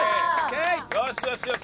よしよしよし！